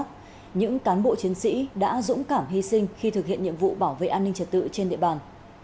những cán bộ chiến sĩ đã dũng cảm hy sinh khi thực hiện nhiệm vụ bảo vệ an ninh trật tự trên địa bàn